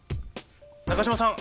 中島さん